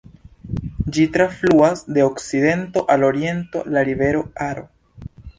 Ĝi trafluas de okcidento al oriento la rivero Aro.